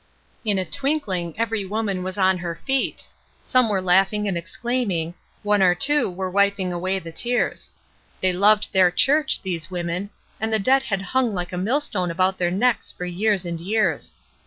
In a twinkling every woman was on her feet, some were laughing and exclaiming, one or two were wiping away the tears. They loved their church, these women, and the debt had hung like a millstone about their necks for years and years.